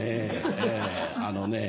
えあのね。